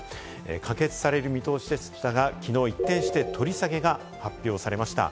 可決される見通しでしたが、昨日、一転して取り下げが発表されました。